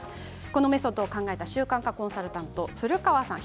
このメソッドを考えた習慣化コンサルタントの古川さん